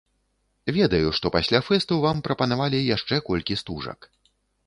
Ведаю, што пасля фэсту вам прапанавалі яшчэ колькі стужак.